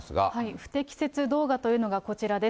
不適切動画というのがこちらです。